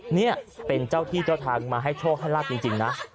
นี่เป็นเจ้าที่เจ้าทางมาให้โชโขเลยในนี่จริงนะ